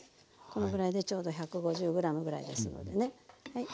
このぐらいでちょうど１５０ｇぐらいですのでねはい。